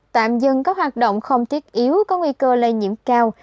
tạm dừng các hoạt động không thiết yếu có nguy cơ lây nhiễm cao